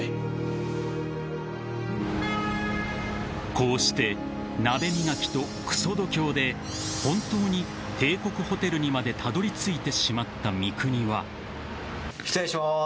［こうして鍋磨きとクソ度胸で本当に帝国ホテルにまでたどりついてしまった三國は］